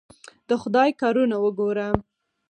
د خدای کارونه وګوره!